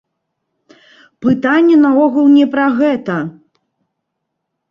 Пытанне наогул не пра гэта!